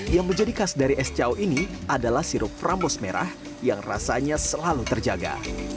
yang menjadi khas dari es cao ini adalah sirup rambus merah yang rasanya selalu terjaga